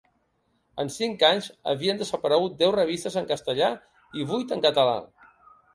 En cinc anys havien desaparegut deu revistes en castellà i vuit en català.